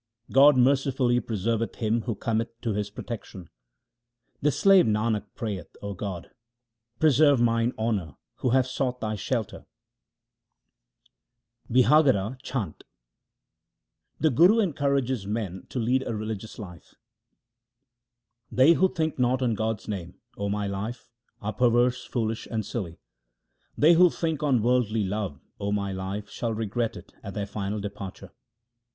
God mercifully preserveth him who cometh to His pro tection. The slave Nanak prayeth, O God, preserve mine honour who have sought Thy shelter ! BlHAGRA CHHANT The Guru encourages men to lead a religious life :— They who think not on God's name, O my life, are per verse, foolish, and silly. They who think on worldly love, O my life, shall regret it at their final departure.